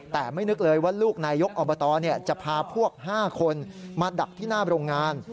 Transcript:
แต่ไม่นึกเลยว่าลูกนายกอบตจะพาพวก๕คนมาดักที่หน้าโรงงาน